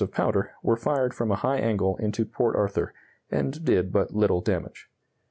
of powder, were fired from a high angle into Port Arthur, and did but little damage.